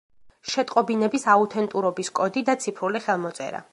შეტყობინების აუთენტურობის კოდი და ციფრული ხელმოწერა.